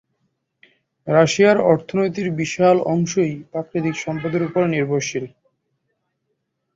রাশিয়ার অর্থনীতির বিশাল অংশই প্রাকৃতিক সম্পদের উপর নির্ভরশীল।